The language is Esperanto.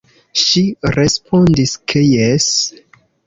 Ŝi respondis, ke jes".